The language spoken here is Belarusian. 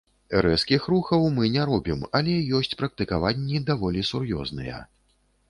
Рэзкіх рухаў мы не робім, але ёсць практыкаванні даволі сур'ёзныя.